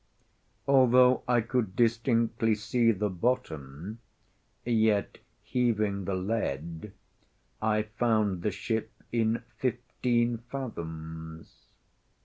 Although I could distinctly see the bottom, yet, heaving the lead, I found the ship in fifteen fathoms.